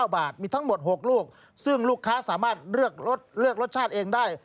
บาทมีทั้งหมด๖ลูกซึ่งลูกค้าสามารถเลือกรสชาติเองได้